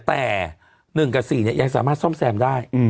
แต่๑กับ๔ยังสามารถซ่อมแซมได้